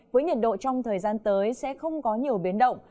với nhiệt độ trong thời gian tới sẽ không có nhiều biến động